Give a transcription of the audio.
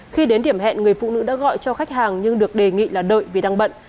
khi đến điểm hẹn người phụ nữ đã gọi cho khách hàng nhưng được đề nghị là đợi vì đang bận